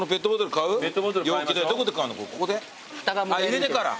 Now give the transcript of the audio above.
入れてから？